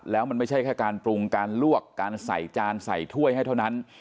แล้วมันไม่ใช่แค่การปรุงการลวกการใส่จานใส่ถ้วยให้เท่านั้น